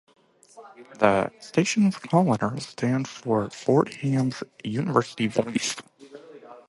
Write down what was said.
The station's call letters stand for Fordham University's Voice.